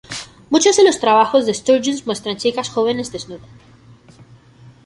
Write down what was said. Muchos de los trabajos de Sturges muestran chicas jóvenes desnudas.